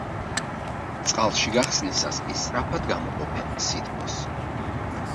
წყალში გახსნისას კი სწრაფად გამოყოფენ სითბოს.